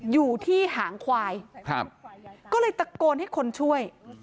อยู่ที่หางควายครับก็เลยตะโกนให้คนช่วย